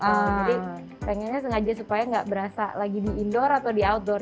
jadi pengennya sengaja supaya nggak berasa lagi di indoor atau di outdoor